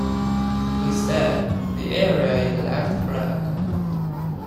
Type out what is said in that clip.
Instead, the area is left blank.